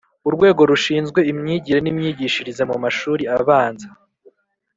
Urwego rushinzwe imyigire n imyigishirize mu mashuri abanza